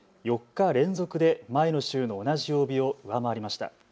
４日連続で前の週の同じ曜日を上回りました。